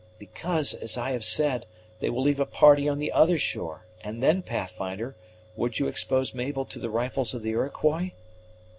"Because, as I have said, they will leave a party on the other shore; and then, Pathfinder, would you expose Mabel, to the rifles of the Iroquois?"